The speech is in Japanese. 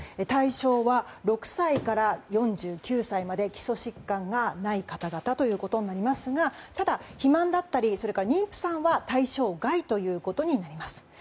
対象は６歳から４９歳までの基礎疾患がない方々ということになりますがただ、肥満だったり妊婦さんは対象外ということになります。